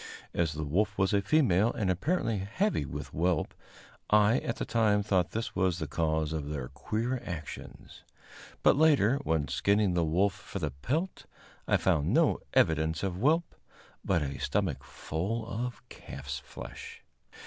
As the wolf was a female and apparently heavy with whelp, I at the time thought this was the cause of their queer actions; but later, when skinning the wolf for the pelt, I found no evidence of whelp, but a stomach full of calf's flesh.